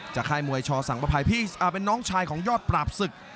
ค่ายมวยชอสังประภัยพี่เป็นน้องชายของยอดปราบศึก